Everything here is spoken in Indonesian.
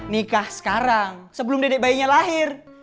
nikah sekarang sebelum dedek bayinya lahir